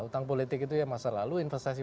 utang politik itu ya masa lalu investasi